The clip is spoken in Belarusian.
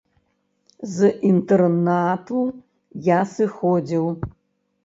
З інтэрнату я сыходзіў.